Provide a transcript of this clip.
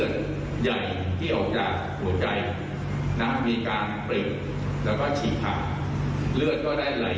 แล้วก็ข้อเท็จจริงทั้งหมดเนี่ยก็จะสรุปเป็นรายงาน